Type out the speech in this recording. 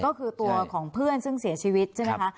ก็คือตัวของเพื่อนซึ่งเสียชีวิตใช่ไหมคะ